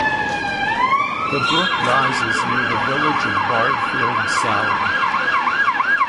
The brook rises near the village of Bardfield Saling.